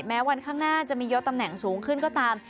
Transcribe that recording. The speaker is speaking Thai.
แม้วันข้างหน้าจะมียศตำแหน่งสูงขึ้นก็ตาม